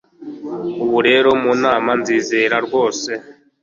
ubu rero mu mana ndizera rwose